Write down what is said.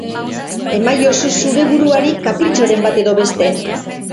Emaiozu zure buruari kapritxoren bat edo beste.